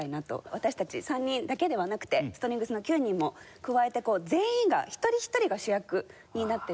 私たち３人だけではなくてストリングスの９人も加えて全員が一人一人が主役になってるんですよね。